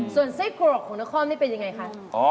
ส่วนไส้กรอบของนครมันเป็นอย่างไรครับ